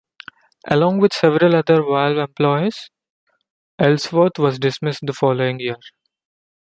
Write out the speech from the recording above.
Along with several other Valve employees, Ellsworth was dismissed the following year.